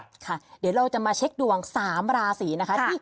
เดี๋ยวเราจะมาเช็คดวง๓ราศีนะคะ